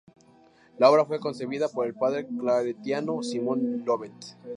La obra fue concebida por el padre claretiano Simón Llobet.